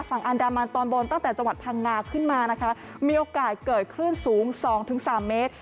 ฝั่งอันดามันตอนบนตั้งแต่จังหวัดพังงาขึ้นมานะคะมีโอกาสเกิดคลื่นสูง๒๓เมตร